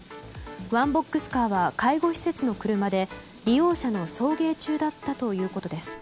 ワンボックスカーは介護施設の車で利用者の送迎中だったということです。